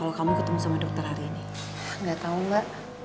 nggak usah ya mbak di sini aja ya